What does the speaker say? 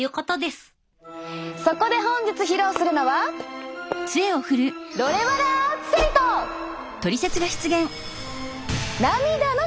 そこで本日披露するのは「涙のトリセツ」です！